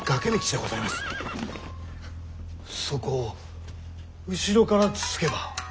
そこを後ろからつつけば。